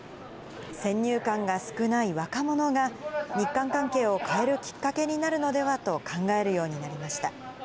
先入観が少ない若者が、日韓関係を変えるきっかけになるのではと考えるようになりました。